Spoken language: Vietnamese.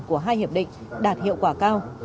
của hai hiệp định đạt hiệu quả cao